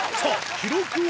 記録は？